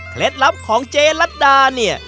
เคล็ดลับของเจลัดดาเนี่ย